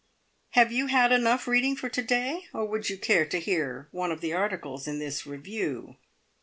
"Have you had enough reading for to day, or would you care to hear one of the articles in this review?"